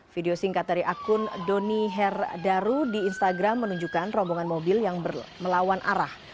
video singkat dari akun doni herdaru di instagram menunjukkan rombongan mobil yang melawan arah